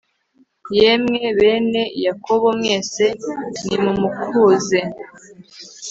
yemwe, bene yakobo mwese, nimumukuze